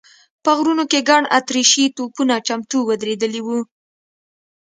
په غرونو کې ګڼ اتریشي توپونه چمتو ودرېدلي و.